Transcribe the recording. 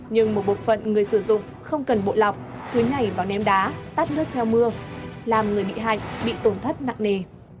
nhưng một bộ phận người sử dụng không cần bộ lọc cứ nhảy vào ném đá tắt nước theo mưa làm người bị hại bị tổn thất nặng nề